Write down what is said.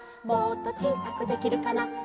「もっとちいさくできるかな」